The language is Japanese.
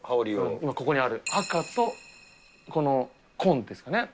ここにある赤とこの紺ですかね。